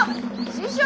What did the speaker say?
師匠！